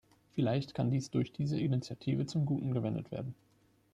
Vielleicht kann dies durch diese Initiative zum Guten gewendet werden.